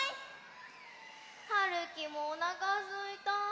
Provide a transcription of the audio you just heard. はるきもおなかすいた。